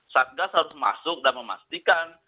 satgas harus masuk dan memastikan